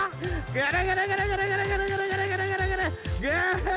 ぐるぐるぐるぐるぐるぐるぐるぐるぐるぐるぐる。